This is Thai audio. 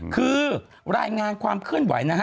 คือรายงานความเคลื่อนไหวนะฮะ